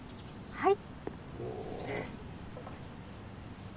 はい。